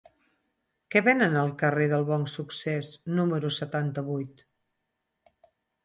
Què venen al carrer del Bonsuccés número setanta-vuit?